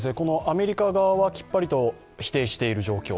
アメリカ側はきっぱりと否定している状況